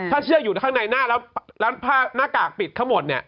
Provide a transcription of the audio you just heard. ถ้าเชือกอยู่ข้างในหน้าแล้วผ้าหน้ากากปิดเขาหมดเนี่ย